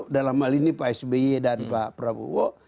dalam hal ini pak sby dan pak prabowo